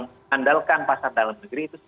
mengandalkan pasar dalam negeri itu